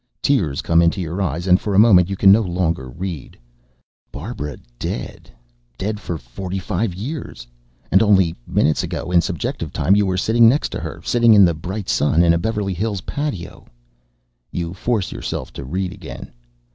Tears come into your eyes and for a moment you can no longer read. Barbara dead dead for forty five years. And only minutes ago, in subjective time, you were sitting next to her, sitting in the bright sun in a Beverly Hills patio ... You force yourself to read again.